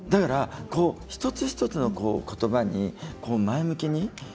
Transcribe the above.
一つ一つの言葉に前向きにね